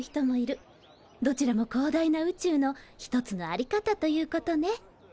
どちらも広大な宇宙の一つの在り方ということね。